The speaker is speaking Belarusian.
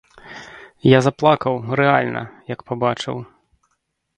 Я заплакаў, рэальна, як пабачыў.